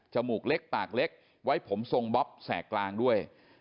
มูกเล็กปากเล็กไว้ผมทรงบ๊อบแสกกลางด้วย